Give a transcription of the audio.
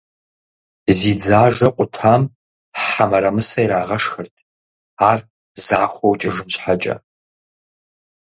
Зи дзажэ къутам хьэ мырамысэ ирагъэшхырт, ар захуэу кӀыжын щхьэкӀэ.